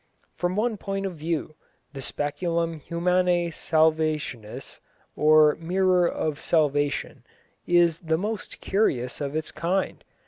From one point of view the Speculum Humanæ Salvationis, or Mirror of Salvation, is the most curious of its kind.